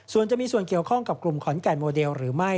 ส่วนจะมีส่วนเกี่ยวข้องกับกลุ่มขอนแก่นโมเดลหรือไม่